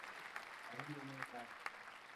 Awinjo ni udar kenya